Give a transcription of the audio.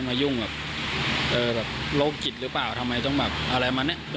ยุ่งกับโรคจิตหรือเปล่าทำไมต้องแบบอะไรมาเนี่ย